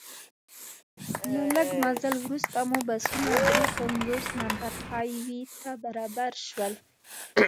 له لږ مزل وروسته مو بسونه درې پنځوس نمبر های وې ته برابر شول.